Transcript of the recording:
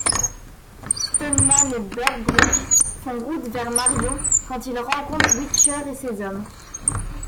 Stoneman et Burbridge font route vers Marion quand ils rencontrent Witcher et ses hommes.